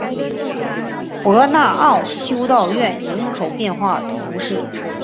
博纳沃修道院人口变化图示